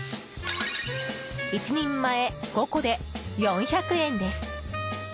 １人前５個で４００円です。